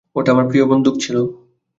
ওটা আমার প্রিয় বন্দুক ছিল।